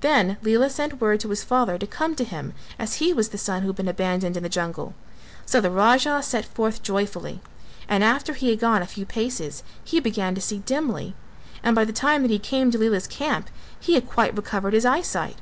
Then Lela sent word to his father to come to him, as he was the son who had been abandoned in the jungle, so the Raja set forth joyfully and after he had gone a few paces he began to see dimly, and by the time that he came to Lela's camp he had quite recovered his eyesight.